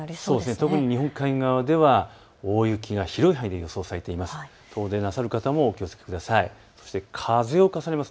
特に日本海側では大雪が広い範囲で予想されています。